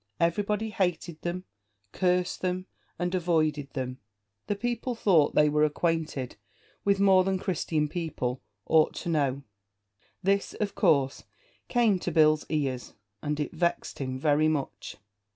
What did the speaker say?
Everybody hated them, cursed them, and avoided them. The people thought they were acquainted with more than Christian people ought to know. This, of course, came to Bill's ears, and it vexed him very much.